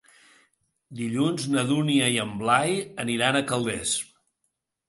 Dilluns na Dúnia i en Blai aniran a Calders.